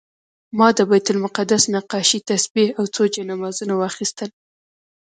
ما د بیت المقدس نقاشي، تسبیح او څو جانمازونه واخیستل.